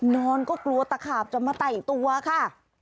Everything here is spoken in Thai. นอนก็กลัวตะขาบจะมาไต่ตัวค่ะ